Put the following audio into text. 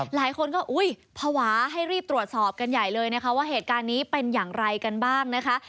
หลายคนก็อุ้ยภาวะให้รีบตรวจสอบกันใหญ่เลยนะคะว่าเหตุการณ์นี้เป็นอย่างไรกันบ้างนะคะ